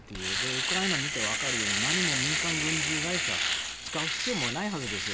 ウクライナを見て分かるように何も民間軍事会社を使う必要もないはずですよ。